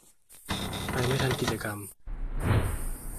ไปไม่ทันกิจกรรม